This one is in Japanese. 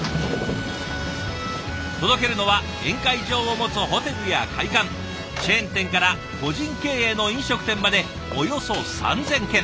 届けるのは宴会場を持つホテルや会館チェーン店から個人経営の飲食店までおよそ３，０００軒。